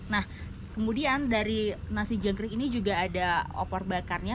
nah kemudian dari nasi jangkrik ini juga ada opor bakarnya